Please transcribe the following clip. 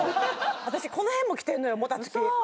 私この辺もきてんのよもたつきウソ？